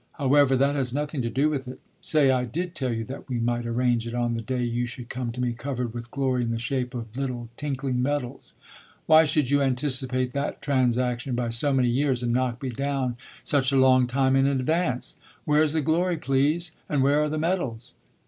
However, that has nothing to do with it. Say I did tell you that we might arrange it on the day you should come to me covered with glory in the shape of little tinkling medals: why should you anticipate that transaction by so many years and knock me down such a long time in advance? Where's the glory, please, and where are the medals?"